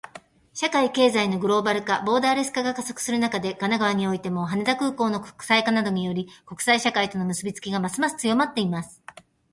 社会・経済のグローバル化、ボーダレス化が加速する中で、神奈川においても、羽田空港の国際化などにより、国際社会との結びつきがますます強まっています。